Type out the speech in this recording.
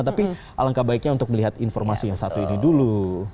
tapi alangkah baiknya untuk melihat informasi yang satu ini dulu